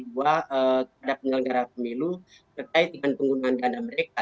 kepada penyelenggara pemilu terkait dengan penggunaan dana mereka